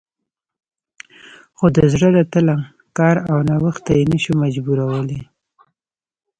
خو د زړه له تله کار او نوښت ته یې نه شو مجبورولی